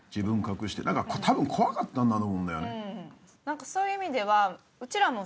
なんかそういう意味ではうん。